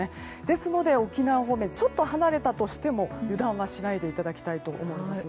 ですので沖縄方面ちょっと離れたとしても油断はしないでいただきたいと思います。